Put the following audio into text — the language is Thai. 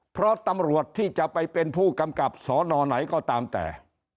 เพราะตำรวจที่จะไปเป็นผู้กำกับสนไหนก็ตามแต่